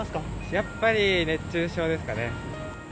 やっぱり熱中症ですかね。